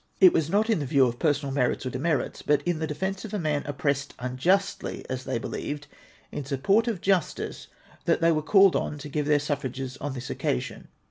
It was not in the view of personal merits or demerits, but in the defence of a man oppressed unjustly, as they believed — in sujDport of justice, that they were called on to give their suffrages on this occasion.